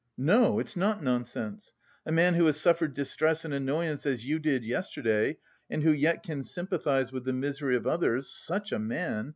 "No, it's not nonsense! A man who has suffered distress and annoyance as you did yesterday and who yet can sympathise with the misery of others, such a man...